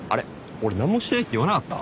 俺なんもしてないって言わなかった？